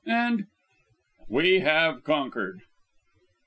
"And " "We have conquered!"